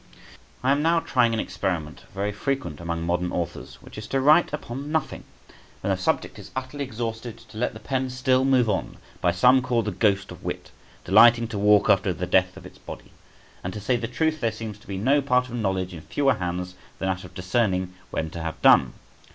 I am now trying an experiment very frequent among modern authors, which is to write upon nothing, when the subject is utterly exhausted to let the pen still move on; by some called the ghost of wit, delighting to walk after the death of its body. And to say the truth, there seems to be no part of knowledge in fewer hands than that of discerning when to have done.